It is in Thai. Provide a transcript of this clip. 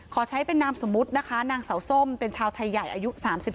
ขอใช้เป็นนามสมมุตินะคะนางเสาส้มเป็นชาวไทยใหญ่อายุ๓๒